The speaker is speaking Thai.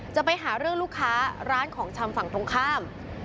จะไปหาเรื่องลูกค้าร้านของชำฝั่งตรงข้าม